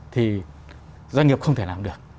thì doanh nghiệp không thể làm được